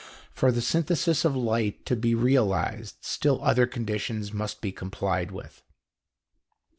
For the synthesis of light to be realized, still other conditions must be complied with.